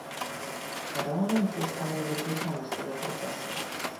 Parlament zostanie wykluczony z tego procesu